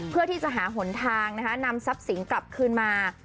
เพื่อที่จะหาหนทางนำทรัพย์สินกลับคืนมา